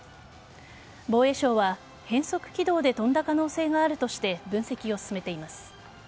防衛省は、変則軌道で飛んだ可能性があるとして分析を進めています。